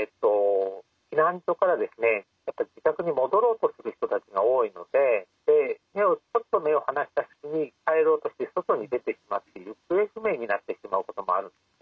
避難所からやっぱり自宅に戻ろうとする人たちが多いのでちょっと目を離した隙に帰ろうとして外に出てしまって行方不明になってしまうこともあるんですね。